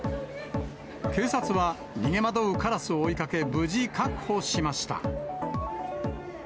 警察は、逃げ惑うカラスを追いかけ、無事確保しました。